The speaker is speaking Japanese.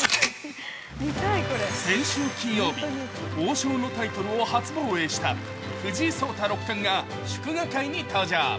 先週金曜日、王将のタイトルを初防衛した藤井聡太六冠が祝賀会に登場。